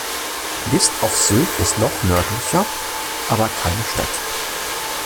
List auf Sylt ist noch nördlicher, aber keine Stadt.